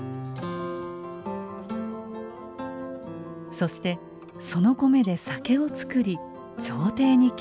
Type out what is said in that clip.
そしてその米で酒を造り朝廷に献上。